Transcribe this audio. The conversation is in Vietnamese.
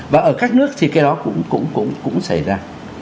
và ở các nước thì cái đó cũng xảy ra